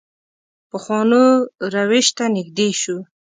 پخوانو روش ته نږدې شو.